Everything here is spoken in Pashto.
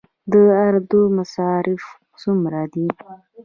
د اردو مصارف څومره دي؟